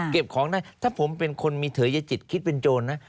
ของได้ถ้าผมเป็นคนมีเถยจิตคิดเป็นโจรนะ